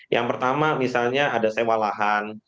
yang pertama misalnya ada sewa lahan